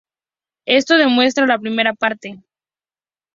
Esto demuestra la primera parte.